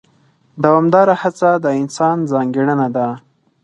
دوامداره هڅه د انسان ځانګړنه ده.